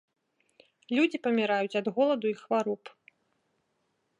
Людзі паміраюць ад голаду і хвароб.